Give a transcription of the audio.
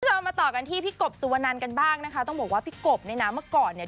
เรามาต่อกันที่พี่กบสุวนันกันบ้างนะคะต้องบอกว่าพี่กบเนี่ยนะเมื่อก่อนเนี่ย